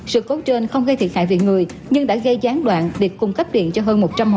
sự cốt trên không gây thiệt hại về người nhưng đã gây gián đoạn việc cung cấp điện cho hơn một trăm linh hộ dân